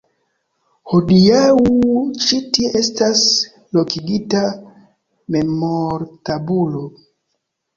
Hodiaŭ ĉi tie estas lokigita memortabulo.